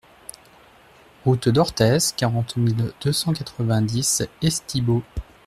Route d'Orthez, quarante mille deux cent quatre-vingt-dix Estibeaux